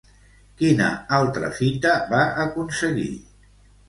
Quina altra fita va aconseguir?